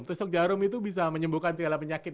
tusuk jarum itu bisa menyembuhkan segala penyakit